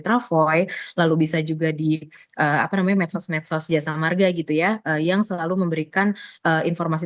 travoi lalu bisa juga di apa namanya medsos medsos jasa marga gitu ya yang selalu memberikan informasi